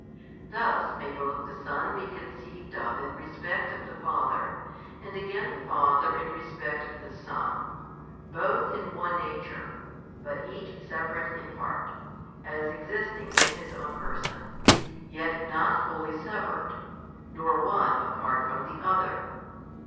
Thus may both the Son be conceived of in respect of the Father, and again the Father in respect of the Son, Both in One Nature, but Each Separate in part, as existing in His own Person, yet not wholly severed, nor One apart from the Other.